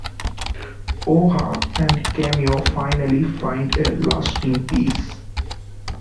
O-ha and Camio finally find a lasting peace.